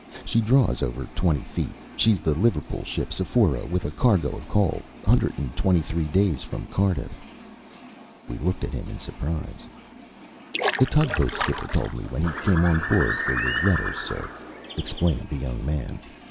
"She draws over twenty feet. She's the Liverpool ship Sephora with a cargo of coal. Hundred and twenty three days from Cardiff." We looked at him in surprise. "The tugboat skipper told me when he came on board for your letters, sir," explained the young man.